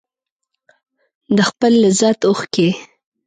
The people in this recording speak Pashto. د خپل لذت اوښکې